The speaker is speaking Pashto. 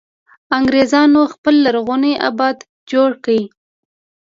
انګرېزانو خپله لرغونې آبده جوړه کړه.